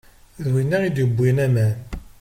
D winna i d-iwwin aman.